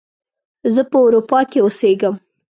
زه په اروپا کې اوسیږم